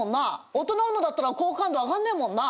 大人女だったら好感度上がんねえもんな。